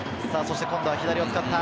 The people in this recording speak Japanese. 今度は左を使った。